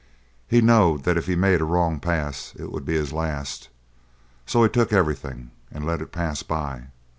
He knowed that if he made a wrong pass it would be his last. So he took everything and let it pass by.